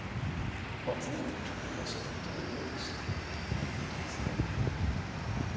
まあ次に２五飛車と取れるようにしてということですが。